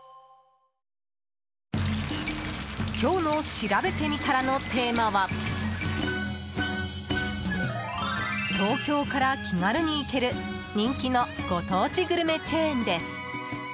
今日のしらべてみたらのテーマは東京から気軽に行ける人気のご当地グルメチェーンです。